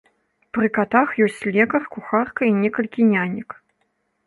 Пры катах ёсць лекар, кухарка і некалькі нянек.